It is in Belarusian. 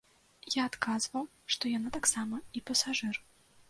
Я адказваў, што яна таксама і пасажыр.